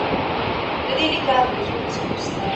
ما د پښتو ژبي دپاره یو نوی ویبلاګ جوړ کړی دی